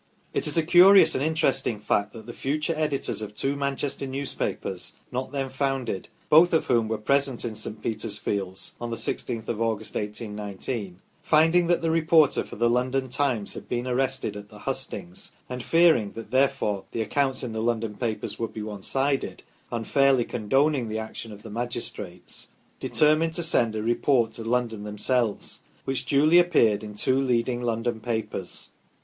It is a curious and interesting fact that the future editors of two Manchester newspapers not then founded, both of whom were present in St. Peter's fields on the 1 6th of August, 1819, finding that the re porter for the London " Times " had been arrested at the hustings, and fearing that therefore the accounts in the London papers would be one sided, unfairly condoning the action of the magistrates, deter mined to send a report to London themselves, which duly appeared in two leading London papers.